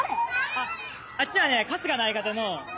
あっあっちはね春日の相方の。